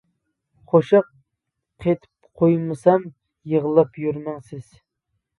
قوشاق قېتىپ قويمىسام، يىغلاپ يۈرمەڭ سىز.